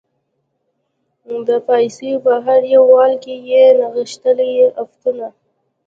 د پایڅو په هر یو ول کې یې نغښتلي عفتونه